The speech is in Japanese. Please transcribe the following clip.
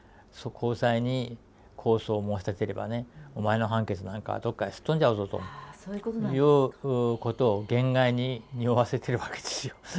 高裁に控訴を申し立てればねお前の判決なんかはどっかへすっ飛んじゃうぞということを言外ににおわせてるわけですよ。